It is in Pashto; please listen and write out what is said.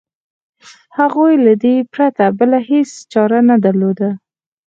هغوی له دې پرته بله هېڅ چاره نه درلوده.